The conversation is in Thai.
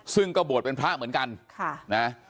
ซึ่งก็บวชเป็นพระเหมือนกันค่ะนะ